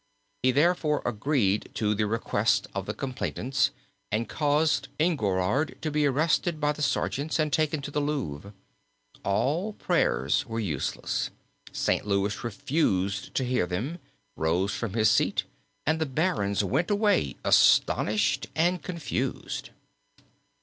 He therefore agreed to the request of the complainants, and caused Enguerrard to be arrested by the sergeants and taken to the Louvre. All prayers were useless; St. Louis refused to hear them, rose from his seat, and the barons went away astonished and confused.